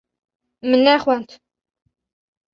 Min nexwend.